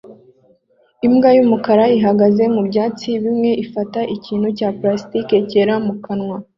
Imbwa y'umukara ihagaze mu byatsi bimwe ifata ikintu cya plastiki cyera mu kanwa